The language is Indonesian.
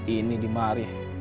ini di mari